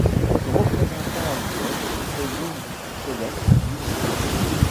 Son représentant actuel est Seyoum Feleke Mussie.